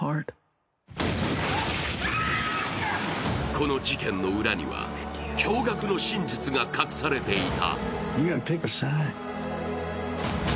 この事件の裏には驚がくの真実が隠されていた。